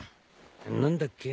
何だっけ？